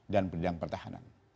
dan bidang pertahanan